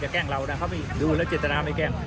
แกล้งเรานะเขาไม่ดูแล้วเจตนาไม่แกล้ง